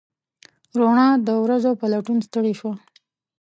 روڼا د ورځو په لټون ستړې شوه